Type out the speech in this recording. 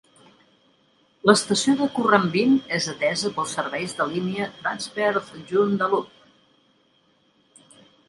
L'estació de Currambine és atesa pels serveis de línia Transperth Joondalup.